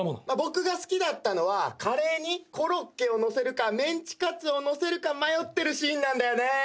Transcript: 僕が好きだったのはカレーにコロッケを載せるかメンチカツを載せるか迷ってるシーンなんだよね。